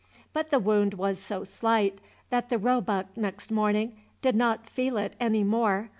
But the wound was so slight that the roebuck, next morning, did not feel it any more.